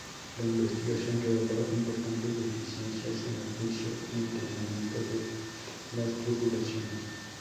La investigación reveló importantes deficiencias en el juicio y entrenamiento de las tripulaciones.